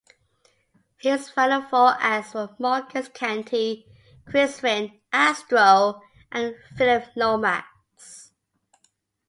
His final four acts were Marcus Canty, Chris Rene, Astro and Phillip Lomax.